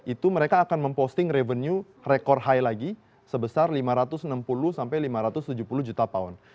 itu mereka akan memposting revenue rekor high lagi sebesar lima ratus enam puluh sampai lima ratus tujuh puluh juta pound